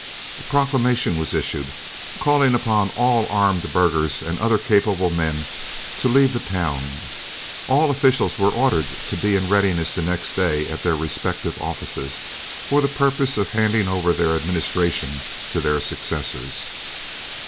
A Proclamation was issued, calling upon all armed burghers and other capable men to leave the town; all officials were ordered to be in readiness the next day at the respective offices, for the purpose of handing over their administration to their successors.